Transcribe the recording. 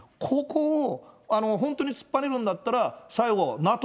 ここを本当に突っぱねるんだったら、最後、ＮＡＴＯが